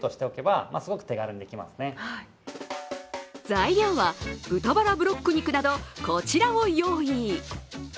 材料は豚バラブロック肉などこちらを用意。